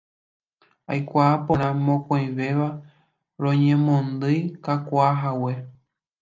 Aikuaa porã mokõivéva roñemondyikakuaahague.